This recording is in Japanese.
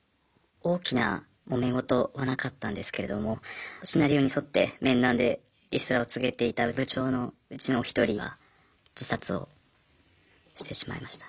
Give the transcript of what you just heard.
大きなもめ事はなかったんですけれどもシナリオに沿って面談でリストラを告げていた部長のうちのお一人が自殺をしてしまいました。